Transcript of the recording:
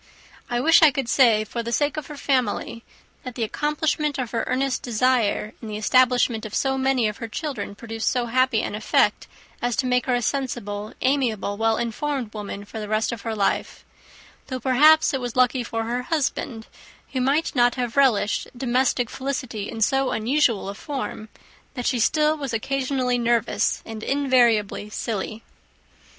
I wish I could say, for the sake of her family, that the accomplishment of her earnest desire in the establishment of so many of her children produced so happy an effect as to make her a sensible, amiable, well informed woman for the rest of her life; though, perhaps, it was lucky for her husband, who might not have relished domestic felicity in so unusual a form, that she still was occasionally nervous and invariably silly.